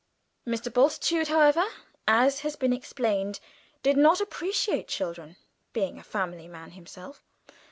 Mr. Bultitude, however, as has been explained, did not appreciate children being a family man himself.